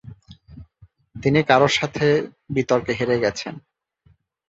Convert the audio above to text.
তিনি কারোর সাথে বিতর্কে হেরে গেছে।